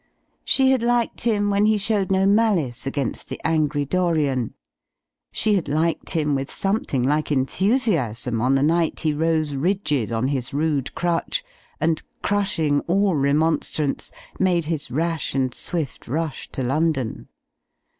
She had liked him when ^ he showed no malice against the angry Dorian; she had liked him with something like enthusiasm on the night he rose rigid on his rude crutch, and, crushing all remonstrance, made his rash and swift rush to London.